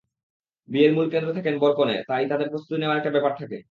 বিয়ের মূল কেন্দ্রে থাকেন বর-কনে, তাই তাঁদের প্রস্তুতি নেওয়ার একটা ব্যাপার থাকে।